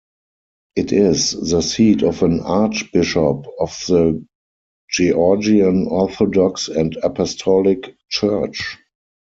It is the seat of an archbishop of the Georgian Orthodox and Apostolic Church.